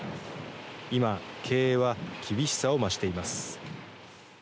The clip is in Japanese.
今、経営は厳しさを増しています。